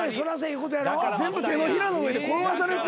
全部手のひらの上で転がされてたんや。